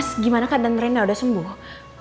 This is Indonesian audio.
mas gimana keadaan rena udah sembuh